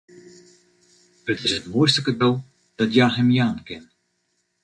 It is it moaiste kado dat hja him jaan kin.